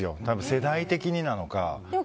世代的になのか。